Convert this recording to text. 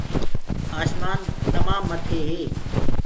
آشمآن تمآ مٿي هي۔